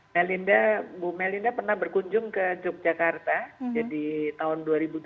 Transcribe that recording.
melinda bu melinda pernah berkunjung ke yogyakarta di tahun dua ribu tujuh belas